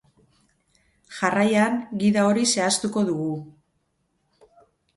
Jarraian, gida hori zehaztuko dugu.